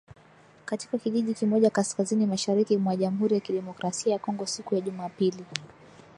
katika kijiji kimoja kaskazini-mashariki mwa Jamhuri ya Kidemokrasi ya Kongo siku ya Jumapili